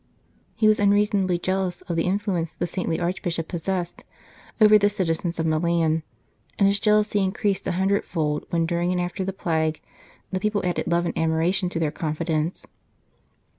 He was unreasonably jealous of the influence the saintly Archbishop possessed over the citizens of Milan, and his jealousy increased a hundredfold when, during and after the plague, the people added love and admiration to their confidence.